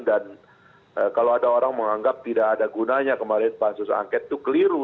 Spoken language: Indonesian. dan kalau ada orang menganggap tidak ada gunanya kemarin pansus angket itu keliru